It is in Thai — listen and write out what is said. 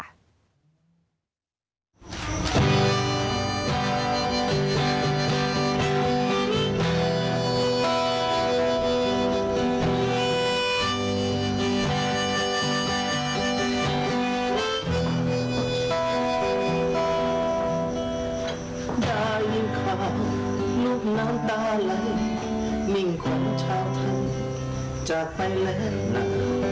ได้ยินความลูกน้ำตาไหลมิ่งความเช้าทันจากไปแล้วน้ำ